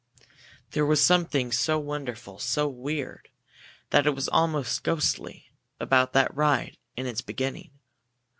There was something so wonderful, so weird that it was almost ghostly, about that ride in its beginning.